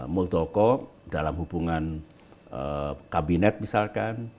muldoko dalam hubungan kabinet misalkan